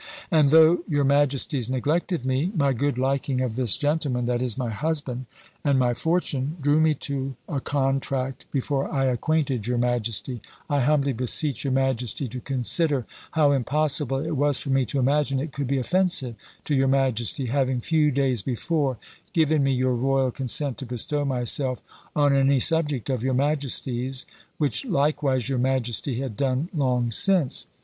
And though your majesty's neglect of me, my good liking of this gentleman that is my husband, and my fortune, drew me to a contract before I acquainted your majesty, I humbly beseech your majesty to consider how impossible it was for me to imagine it could be offensive to your majesty, having few days before given me your royal consent to bestow myself on any subject of your majesty's (which likewise your majesty had done long since).